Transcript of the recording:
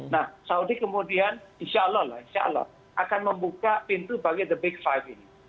nah saudi kemudian insya allah lah insya allah akan membuka pintu bagi the big five ini